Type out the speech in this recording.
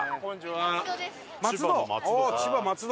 松戸？